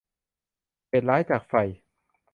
เหตุร้ายจากไฟ